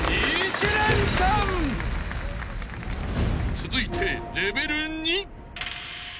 ［続いて］